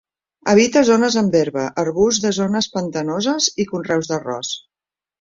Habita zones amb herba, arbusts de zones pantanoses i conreus d'arròs.